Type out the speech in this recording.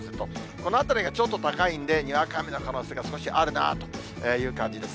このあたりがちょっと高いんで、にわか雨の可能性が少しあるなという感じです。